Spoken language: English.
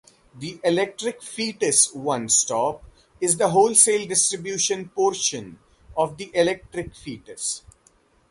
The Electric Fetus Onestop is the wholesale distribution portion of the Electric Fetus.